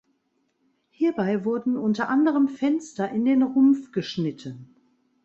Hierbei wurden unter anderem Fenster in den Rumpf geschnitten.